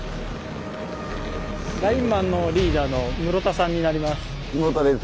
ラインマンのリーダーの室田さんになります。